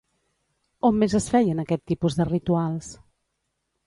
On més es feien aquest tipus de rituals?